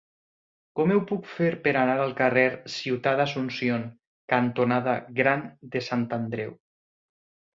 Com ho puc fer per anar al carrer Ciutat d'Asunción cantonada Gran de Sant Andreu?